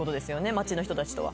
街の人たちとは。